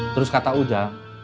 terus kata ujang